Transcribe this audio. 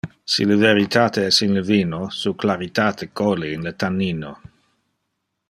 Si le veritate es in le vino su claritate cole in le tannino.